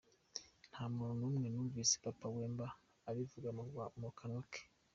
Nta muntu n’umwe wumvise Papa Wemba abivuga mu kanwa ke.